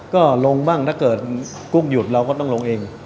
ก็ลงบ้างถ้าเกิดกุ้งหยุดเราก็ต้องลงเอง